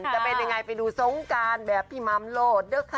จะเป็นยังไงไปดูสงการแบบพี่มัมโหลดด้วยค่ะ